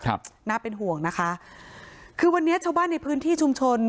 ครับน่าเป็นห่วงนะคะคือวันนี้ชาวบ้านในพื้นที่ชุมชน